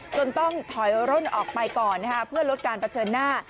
ต้องถอยร่นออกไปก่อนเพื่อลดการเผชิญหน้า